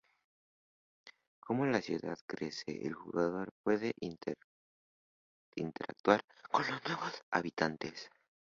Como la ciudad crece, el jugador puede interactuar con los nuevos habitantes.